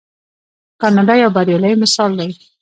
کاناډا یو بریالی مثال دی.